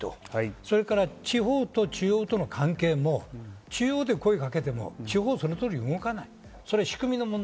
それから地方と中央との関係も中央で声をかけても地方はその通り動かない。